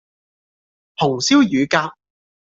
紅燒乳鴿